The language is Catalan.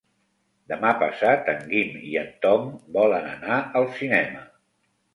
Demà passat en Guim i en Tom volen anar al cinema.